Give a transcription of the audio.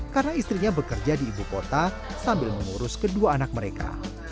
karena istrinya bekerja di ibukota sambil mengurus kedua anak mereka